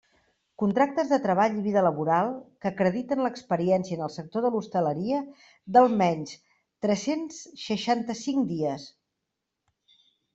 Contractes de treball i vida laboral que acrediten l'experiència en el sector de l'hostaleria d'almenys tres-cents seixanta-cinc dies.